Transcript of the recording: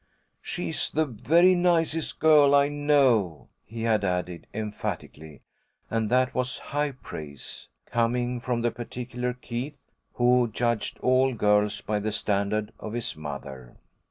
"She's the very nicest girl I know," he had added, emphatically, and that was high praise, coming from the particular Keith, who judged all girls by the standard of his mother.